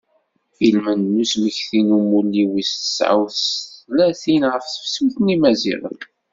Ilmend n usmekti n umulli wis tesεa u tlatin ɣef tefsut n yimaziɣen.